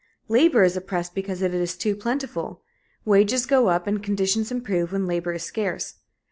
Labor is oppressed because it is too plentiful; wages go up and conditions improve when labor is scarce.